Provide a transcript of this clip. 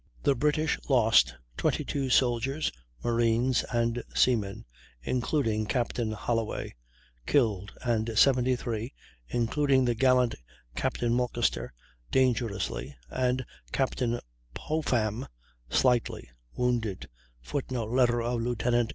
The British lost 22 soldiers, marines, and seamen (including Captain Hollaway) killed, and 73 (including the gallant Captain Mulcaster dangerously, and Captain Popham slightly) wounded, [Footnote: Letter of Lieut.